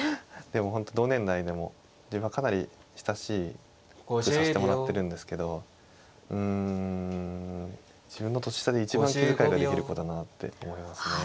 でも本当同年代でも自分はかなり親しくさせてもらってるんですけどうん自分の年下で一番気遣いができる子だなって思いますね。